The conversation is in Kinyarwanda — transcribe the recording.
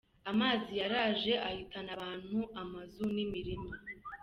"Amazi yaraje ahitana abantu, amazu n'imirima.